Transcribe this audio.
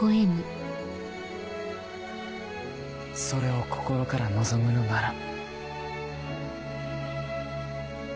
それを心から望むのなら。